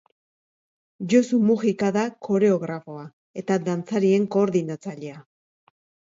Josu Mujika da koreografoa, eta dantzarien koordinatzailea.